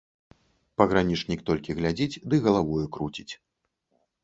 Пагранічнік толькі глядзіць ды галавою круціць.